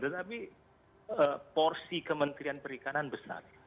tetapi porsi kementerian perikanan besar